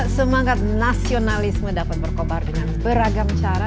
semangat nasionalisme dapat berkobar dengan beragam cara